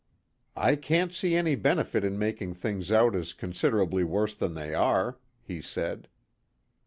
"I can't see any benefit in making things out as considerably worse than they are," he said.